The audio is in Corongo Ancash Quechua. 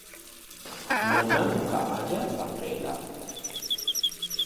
Mamanqa allaapa qilla.